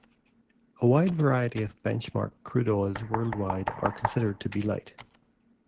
A wide variety of benchmark crude oils worldwide are considered to be light.